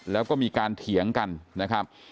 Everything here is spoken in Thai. แล้วก็มีการเถียงกันนะครับ